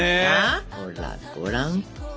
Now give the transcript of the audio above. ほらごらん。